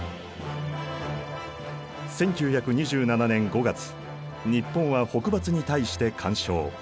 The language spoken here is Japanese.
１９２７年５月日本は北伐に対して干渉。